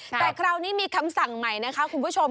แต่คราวนี้มีคำสั่งใหม่นะคะคุณผู้ชม